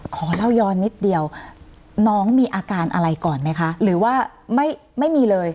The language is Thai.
ขอเล่าย้อนนิดเดียวน้องมีอาการอะไรก่อนไหมคะหรือว่าไม่มีเลย